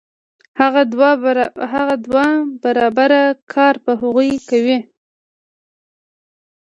هغه دوه برابره کار په هغوی کوي